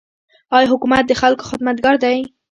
آیا حکومت د خلکو خدمتګار دی؟